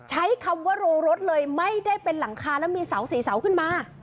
ใช้คำว่ารูรถเลยไม่ได้เป็นหลังคาแล้วมีเสาสี่เสาขึ้นมา